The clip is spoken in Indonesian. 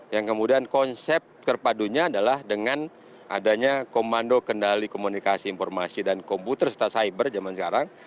yang kemudian konsep terpadunya adalah dengan adanya komando kendali komunikasi informasi dan komputer serta cyber zaman sekarang